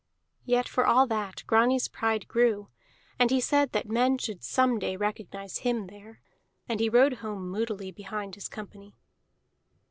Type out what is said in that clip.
Yet for all that Grani's pride grew, and he said that men should some day recognize him there. And he rode home moodily behind his company.